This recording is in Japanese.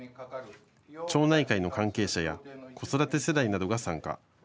町内会の関係者や子育て世代などが参加。